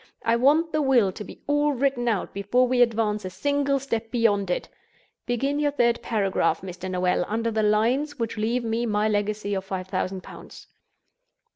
I want the will to be all written out before we advance a single step beyond it. Begin your third paragraph, Mr. Noel, under the lines which leave me my legacy of five thousand pounds."